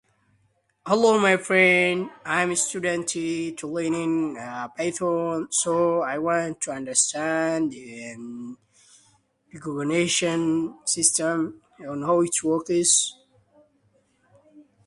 What are the career prospects for language students?